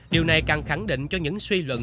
điều này càng khẳng định cho những suy luận